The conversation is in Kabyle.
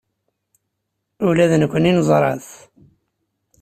Ula d nekkni neẓra-t.